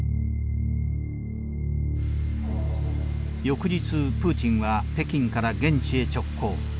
翌日プーチンは北京から現地へ直行。